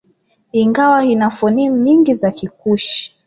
Ingawa ina fonimu nyingi za Kikushi